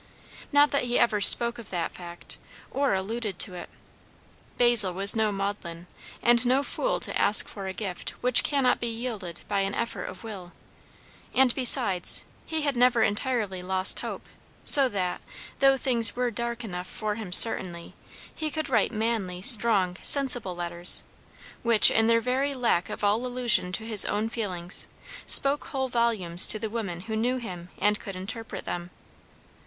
Not that he ever spoke of that fact, or alluded to it. Basil was no maudlin, and no fool to ask for a gift which cannot be yielded by an effort of will; and besides, he had never entirely lost hope; so that, though things were dark enough for him certainly, he could write manly, strong, sensible letters, which, in their very lack of all allusion to his own feelings, spoke whole volumes to the woman who knew him and could interpret them.